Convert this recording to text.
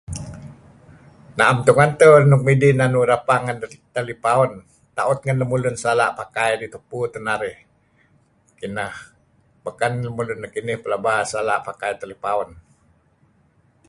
Na'em tungen teh nuk midih midih inan uih rapang ngan talipaun ta'ut ngan lemulun sala' pakai dih tupu teh narih. Kinah. Bekan lemulun nekinih pelaba sala' pakai talipaun.